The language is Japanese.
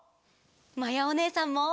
まやおねえさんも。